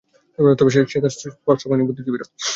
তবে সে তার স্পর্শ পাইনি বুদ্ধিজীবীরা!